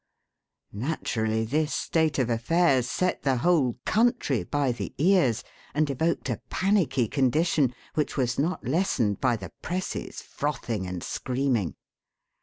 Naturally, this state of affairs set the whole country by the ears and evoked a panicky condition which was not lessened by the Press' frothing and screaming.